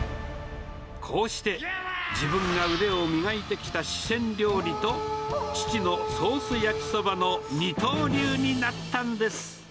こうして自分が腕を磨いてきた四川料理と、父のソース焼きそばの二刀流になったんです。